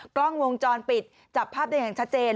กล้องวงจรปิดจับภาพได้อย่างชัดเจน